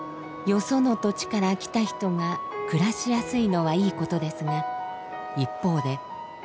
よその土地から来た人が暮らしやすいのはいいことですが一方で開拓